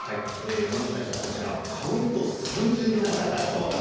まず、カウント３０秒前。